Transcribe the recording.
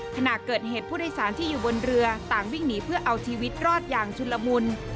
ขณะเกิดเหตุผู้โดยสารที่อยู่บนเรือต่างวิ่งหนีเพื่อเอาชีวิตรอดอย่างชุนละมุน